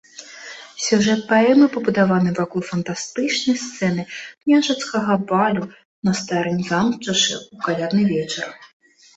Сюжэт паэмы пабудаваны вакол фантастычнай сцэны княжацкага балю на старым замчышчы ў калядны вечар.